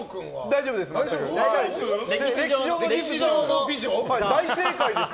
大丈夫です。